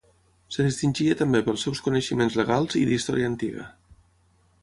Es distingia també pels seus coneixements legals i d'història antiga.